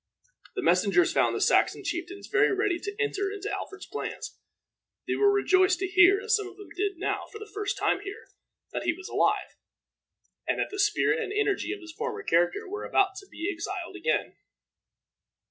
The messengers found the Saxon chieftains very ready to enter into Alfred's plans. They were rejoiced to hear, as some of them did now for the first time hear, that he was alive, and that the spirit and energy of his former character were about to be exhibited again.